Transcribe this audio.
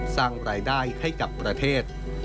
สร้างรายได้ให้กับประเทศ